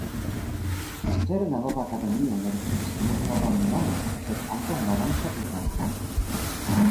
Cetere la nova Akademio ne ricevis nur novan nomon, sed ankaŭ novan statuton.